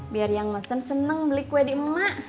biar yang mesen seneng beli kue di emak